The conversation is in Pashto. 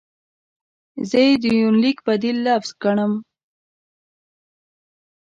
زه یې د یونلیک بدیل لفظ ګڼم.